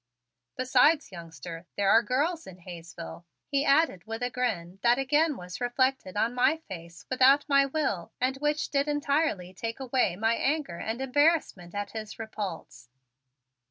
"Besides, youngster, there are girls in Hayesville," he added with a grin that again was reflected on my face without my will and which did entirely take away my anger and embarrassment at his repulse.